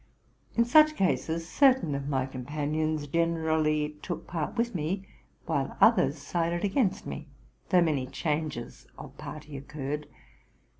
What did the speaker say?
In such cases certain of my companions generally took part with me, while others sided against me; though many changes of party occurred.